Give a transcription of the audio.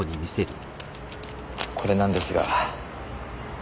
これなんですが。